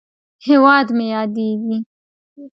هېواد مې یادیږې!